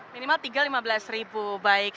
minimal rp tiga rp lima belas baik